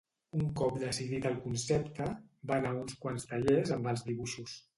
Un cop decidit el concepte, va anar a uns quants tallers amb els dibuixos.